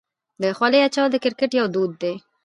د خولۍ اچول د کرکټ یو دود دی.